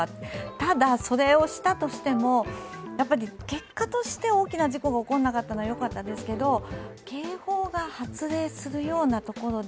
ただ、それをしたとしても、やっぱり結果として大きな事故が起きなかったのはよかったですけど、警報が発令する様なところで